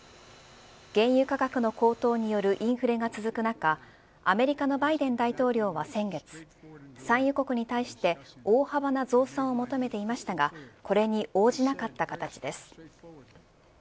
原油価格の高騰によるインフレが続く中アメリカのバイデン大統領は先月産油国に対して大幅な増産を求めていましたがこれに応じなかった形です。